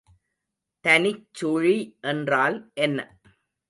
தனிச்சுழி என்றால் என்ன?